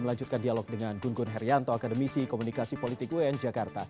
melanjutkan dialog dengan gun gun herianto akademisi komunikasi politik un jakarta